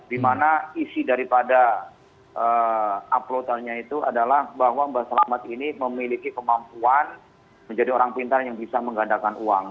dimana isi daripada uploadannya itu adalah bahwa mbak selamat ini memiliki kemampuan menjadi orang pintar yang bisa menggandakan uang